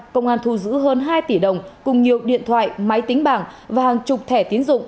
công an thu giữ hơn hai tỷ đồng cùng nhiều điện thoại máy tính bảng và hàng chục thẻ tiến dụng